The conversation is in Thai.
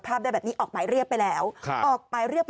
พอดีแฟนเขาเป็นมะเร็ง